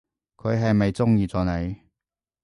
佢係咪中意咗你？